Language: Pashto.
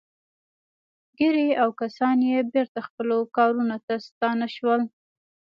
ګیري او کسان یې بېرته خپلو کارونو ته ستانه شول